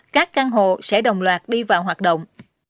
các căn hộ sẽ đồng loạt đi vào hoạt động